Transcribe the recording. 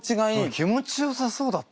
気持ちよさそうだった。